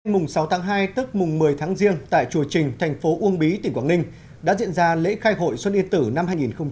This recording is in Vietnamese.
mùng sáu tháng hai tức mùng một mươi tháng riêng tại chùa trình thành phố uông bí tỉnh quảng ninh đã diễn ra lễ khai hội xuân yên tử năm hai nghìn hai mươi